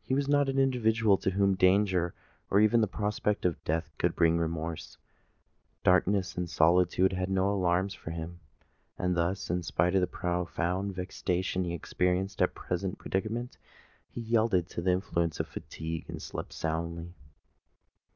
He was not an individual to whom danger or even the prospect of death could bring remorse: darkness and solitude had no alarms for him;—and, thus, in spite of the profound vexation he experienced at his present predicament, he yielded to the influence of fatigue and slept soundly.